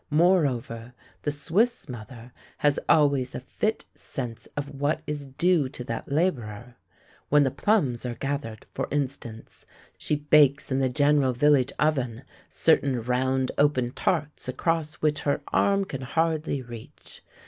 Moreover the Swiss mother has always a fit sense of what is due to that labourer. When the plums are gathered, for instance, she bakes in the general village oven certain round open tarts across which her arm can hardly reach.